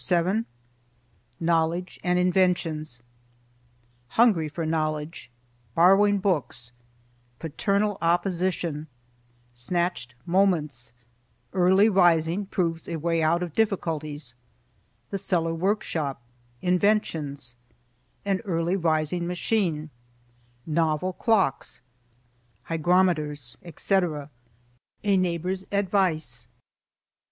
VIIToC KNOWLEDGE AND INVENTIONS Hungry for Knowledge—Borrowing Books—Paternal Opposition—Snatched Moments—Early Rising proves a Way out of Difficulties—The Cellar Workshop—Inventions—An Early Rising Machine—Novel Clocks—Hygrometers, etc.—A Neighbor's Advice.